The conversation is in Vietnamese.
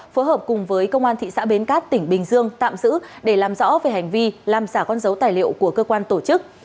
phối hợp cùng với công an thị xã bến cát tỉnh bình dương tạm giữ để làm rõ về hành vi làm giả con dấu tài liệu của cơ quan tổ chức